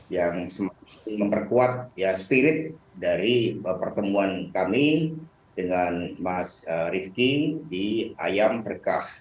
yang memperkuat ya spirit dari pertemuan kami dengan mas rifqi di ayam terkah